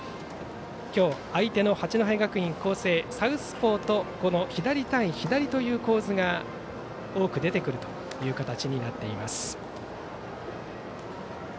今日、相手の八戸学院光星サウスポーとこの左対左という構図が多く出てくる形になっています。